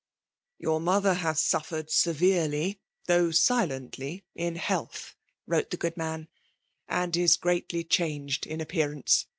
" Your mother has suffered severely, though silently, in heallh," ^vrote the good man, *' and is greatly changed in appearance.